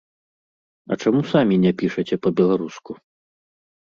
А чаму самі не пішаце па-беларуску?